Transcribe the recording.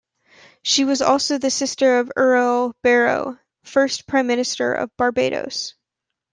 She was also the sister of Errol Barrow, first Prime Minister of Barbados.